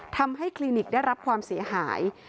ทำให้คลินิกได้รับความเสียหาย